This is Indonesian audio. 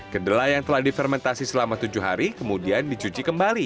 kedelai yang telah difermentasi selama tujuh hari kemudian dicuci kembali